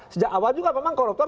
sejak awal juga memang koruptor